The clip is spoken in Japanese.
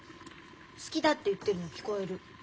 好きだって言ってるように聞こえる。